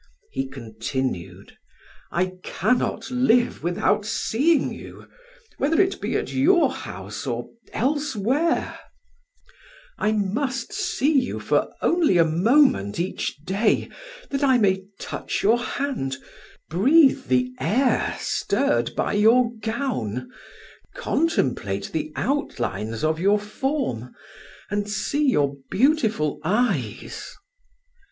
He continued: "I cannot live without seeing you; whether it be at your house or elsewhere, I must see you for only a moment each day that I may touch your hand, breathe the air stirred by your gown, contemplate the outlines of your form, and see your beautiful eyes."